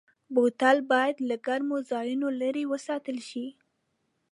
بوتل باید له ګرمو ځایونو لېرې وساتل شي.